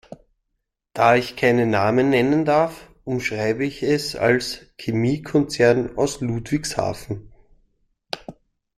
Da ich keine Namen nennen darf, umschreibe ich es als Chemiekonzern aus Ludwigshafen.